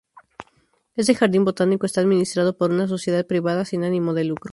Este jardín botánico está administrado por una sociedad privada sin ánimo de lucro.